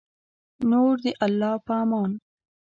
نور د الله په امان